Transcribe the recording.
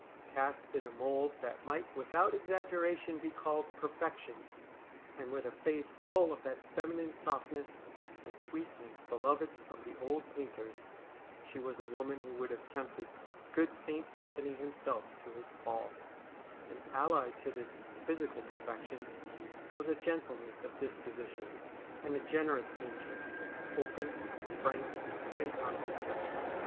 Cast in a mould that might without exaggera tion be called perfection, and with a face full of that feminine softness and sweetness beloved of the old painters, she was a woman who would have tempted ' Good St. Anthony ' himself to his fall ; and allied to this physical perfection was a gentle ness of disposition and a generous nature, open, frank, and honest.